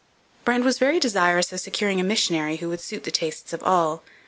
Brant was very desirous of securing a missionary who would suit the tastes of all.